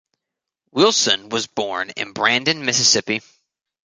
Wilson was born in Brandon, Mississippi.